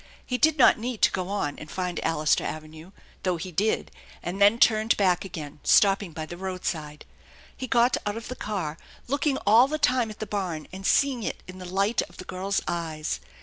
He did not need to go on and find Allister Avenue though he did, and then turned back again, stopping by the roadside. He got out of the car, looking all the time at the barn and seeing it in the light of the girl's eyes.